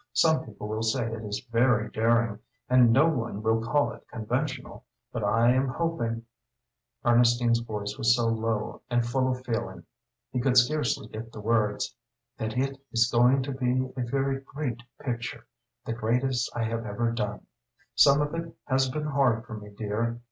Some people will say it is very daring, and no one will call it conventional, but I am hoping," Ernestine's voice was so low and full of feeling he could scarcely get the words "that it is going to be a very great picture the greatest I have ever done. Some of it has been hard for me, dear.